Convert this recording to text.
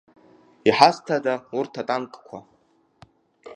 Иҳазҭада урҭ атанкқәа?